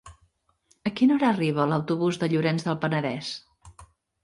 A quina hora arriba l'autobús de Llorenç del Penedès?